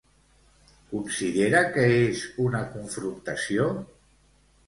Considera que és una confrontació?